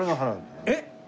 えっ！？